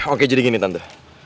oke jadi gini tante